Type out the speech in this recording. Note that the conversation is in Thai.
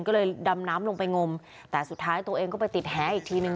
ก็เลยดำน้ำลงไปงมแต่สุดท้ายตัวเองก็ไปติดแหอีกทีนึง